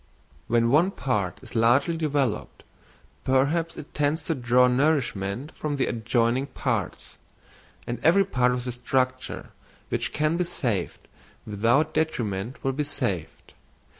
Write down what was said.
When one part is largely developed, perhaps it tends to draw nourishment from the adjoining parts; and every part of the structure which can be saved without detriment will be saved.